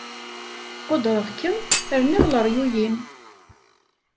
Qudreɣ-kem rniɣ leryuy-im.